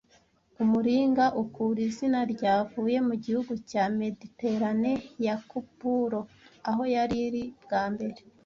Umuringa ukura izina ryavuye mu gihugu cya Mediterane ya Kupuro aho yari iri Bwa mbere